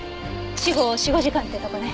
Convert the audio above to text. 死後４５時間ってとこね。